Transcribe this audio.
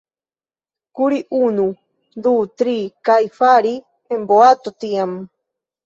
Kuri unu, du, tri, kaj fari en boato tiam.